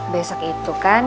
besok itu kan